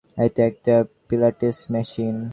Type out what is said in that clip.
এটা একটা পিলাটেস মেশিন।